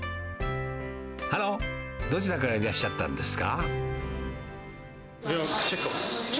ハロー、どちらからいらっしゃったんですか。